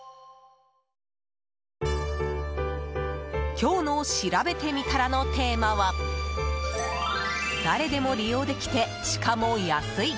今日のしらべてみたらのテーマは誰でも利用できて、しかも安い！